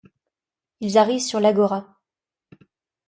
Ils arrivent sur l’agora.